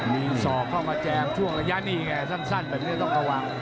มีสอบเข้ามาแจงช่วงระยะนี้แหละสั้นเหมือนเป็นไหนต้องระวัง